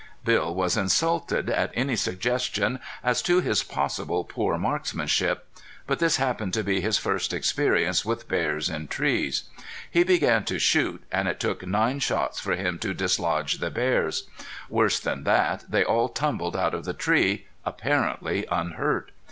Bill was insulted at any suggestions as to his possible poor marksmanship. But this happened to be his first experience with bears in trees. He began to shoot and it took nine shots for him to dislodge the bears. Worse than that they all tumbled out of the tree apparently unhurt.